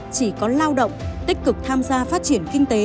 chỉ có lao động tích cực tham gia phát triển kinh tế